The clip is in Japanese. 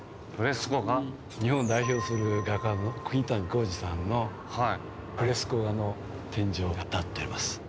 日本を代表する画家の絹谷幸二さんのフレスコ画の天井が建っています。